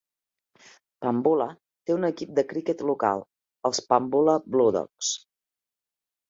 Pambula té un equip de criquet local, els Pambula Bluedogs.